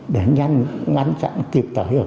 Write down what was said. để nhanh ngăn chặn tiếp tới